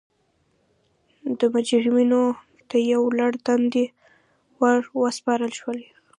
مجرمینو ته یو لړ دندې ور وسپارل شوې.